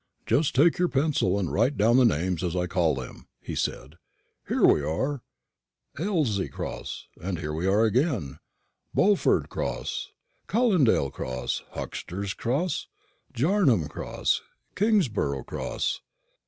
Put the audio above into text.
"Just take your pencil and write down the names as I call them," he said. "Here we are Aylsey Cross; and here we are again Bowford Cross, Callindale Cross, Huxter's Cross, Jarnam Cross, Kingborough Cross."